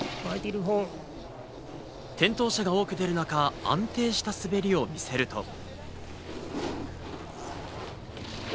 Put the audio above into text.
転倒者が多く出る中、安定した滑りを見せると。